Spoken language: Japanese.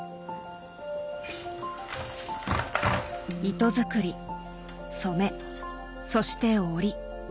糸作り染めそして織り。